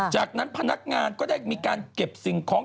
จากนั้นพนักงานก็ได้มีการเก็บสิ่งของ